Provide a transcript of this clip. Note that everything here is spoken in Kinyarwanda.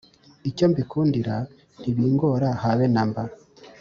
icyo mbikundindira ntibingora habe namba